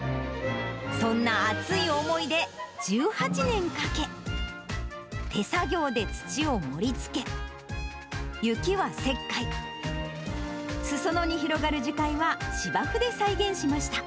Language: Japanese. そんな熱い思いで１８年かけ、手作業で土を盛りつけ、雪は石灰、すそ野に広がる樹海は芝生で再現しました。